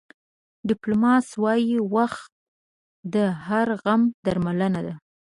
ډیپایلوس وایي وخت د هر غم درملنه ده.